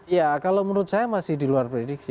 ya kalau menurut saya masih diluar prediksi